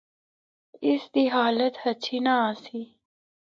اس دی حالت ہچھی نہ آسی۔